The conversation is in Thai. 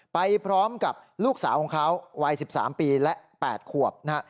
ไปพร้อมกับลูกสาวของเขาวัย๑๓ปีและ๘ขวบนะฮะ